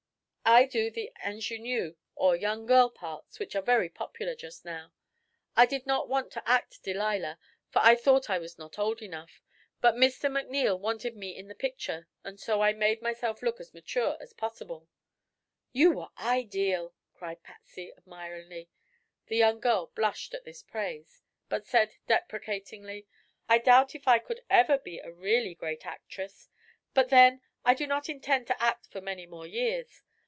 I do the ingenue, or young girl parts, which are very popular just now. I did not want to act 'Delilah,' for I thought I was not old enough; but Mr. McNeil wanted me in the picture and so I made myself took as mature as possible." "You were ideal!" cried Patsy, admiringly. The young girl blushed at this praise, but said deprecatingly: "I doubt if I could ever be a really great actress; but then, I do not intend to act for many more years.